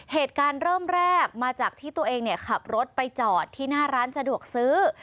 เหตุการณ์เริ่มแรกมาจากที่ตัวเองขับรถไปจอดที่หน้าร้านสะดวกซื้อ